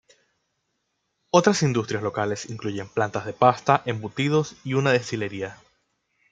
Otras industrias locales incluyen plantas de pasta y embutidos y una destilería.